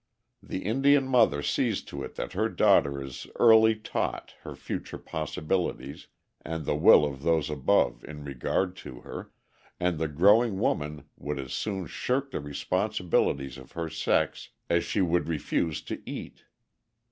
The Indian mother sees to it that her daughter is early taught her future possibilities and the will of Those Above in regard to her, and the growing woman would as soon shirk the responsibilities of her sex as she would refuse to eat.